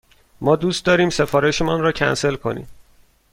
ما دوست داریم سفارش مان را کنسل کنیم.